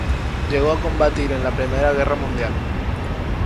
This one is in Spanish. Llegó a combatir en la Primera Guerra Mundial.